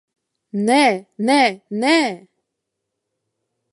Nē, nē, nē!